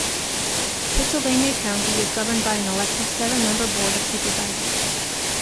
Pittsylvania County is governed by an elected seven-member Board of Supervisors.